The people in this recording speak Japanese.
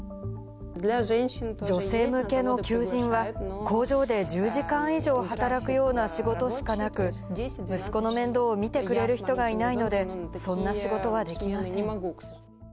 女性向けの求人は、工場で１０時間以上働くような仕事しかなく、息子の面倒を見てくれる人がいないので、そんな仕事はできません。